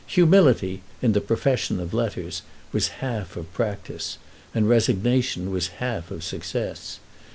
Humility, in the profession of letters, was half of practice, and resignation was half of success.